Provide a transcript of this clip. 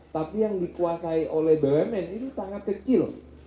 tapi yang dikuasai oleh bumn itu sangat kecil